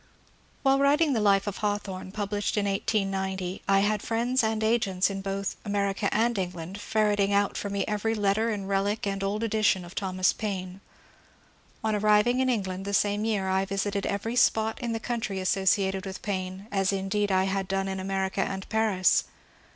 '' While writing the "Life of Hawthorne," published in 1890, 1 had friends and agents in both America and England ferreting out for me every letter and relic and old edition of VOL. n 434 MONCURE DANIEL CONWAY Thomas Paine.^ On amying in England the same year I visited every spot in the oountiy associated with Paine, — as indeed I had done in America and Paris.